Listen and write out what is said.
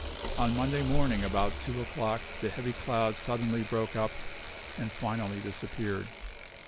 On Monday morning about two o'clock, the heavy cloud suddenly broke up, and finally disappeared.